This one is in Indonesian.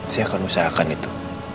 saya akan usahakan itu